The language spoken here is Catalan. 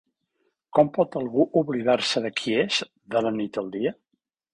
Com pot algú oblidar-se de qui és de la nit al dia?